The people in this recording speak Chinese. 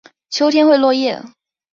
秋天会落叶。